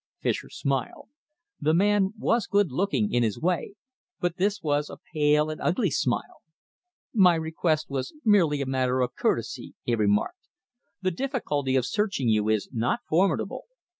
Fischer smiled. The man was good looking, in his way, but this was a pale and ugly smile. "My request was merely a matter of courtesy," he remarked. "The difficulty of searching you is not formidable.